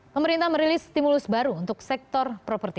pemerintah merilis stimulus baru untuk sektor properti